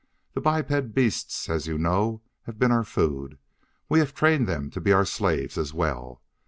The biped beasts, as you know, have been our food; we have trained them to be our slaves as well.